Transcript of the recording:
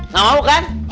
nggak mau kan